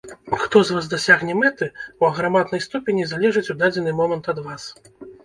Хто з вас дасягне мэты, у аграмаднай ступені залежыць у дадзены момант ад вас.